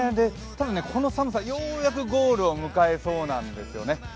この寒さ、ようやくゴールを迎えそうなんですね。